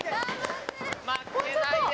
負けないで！